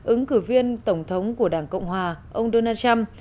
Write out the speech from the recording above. ứng cử viên tổng thống của đảng cộng hòa ông donald trump